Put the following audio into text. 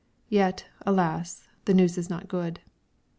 Yet, alas! the news is not good.